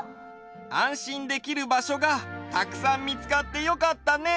あんしんできるばしょがたくさんみつかってよかったね。